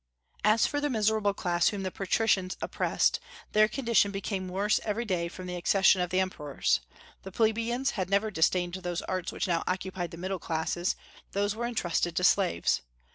As for the miserable class whom the patricians oppressed, their condition became worse every day from the accession of the Emperors. The plebeians had ever disdained those arts which now occupied the middle classes; these were intrusted to slaves.